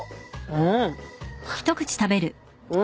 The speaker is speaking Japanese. うん！